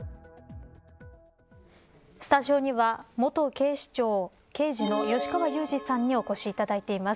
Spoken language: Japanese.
スタジオには元警視庁刑事の吉川祐二さんにお越しいただいています。